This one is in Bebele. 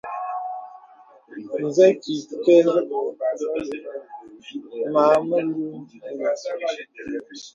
Zə kì ìkɛ̂ mə a mèlù mìnə̀.